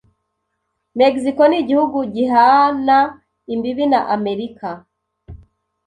Mexico ni igihugu gihana imbibi na Amerika.